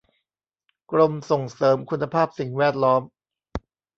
กรมส่งเสริมคุณภาพสิ่งแวดล้อม